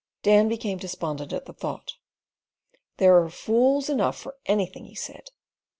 Dan became despondent at the thought. "They're fools enough for anything," he said.